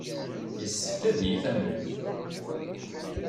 Yessefk ad iyi-tamnemt.